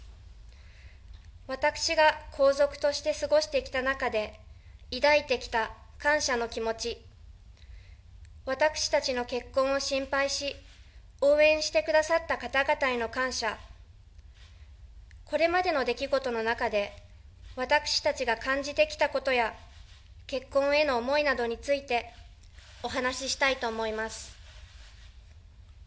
私が皇族として過ごしてきた中で、抱いてきた感謝の気持ち、私たちの結婚を心配し、応援してくださった方々への感謝、これまでの出来事の中で、私たちが感じてきたことや、結婚への思いなどについて、お話ししたいと思います。